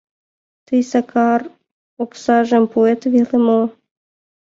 Тый, Сакар, оксажым пуэт веле мо?